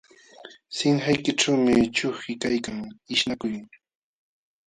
Sinqaykićhuumi chuti kaykan ishnakuy